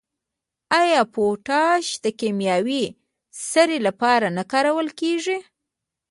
آیا پوټاش د کیمیاوي سرې لپاره نه کارول کیږي؟